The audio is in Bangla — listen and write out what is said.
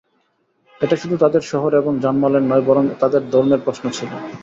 এটা শুধু তাদের শহর এবং জান-মালের নয় বরং তাদের ধর্মের প্রশ্ন ছিল।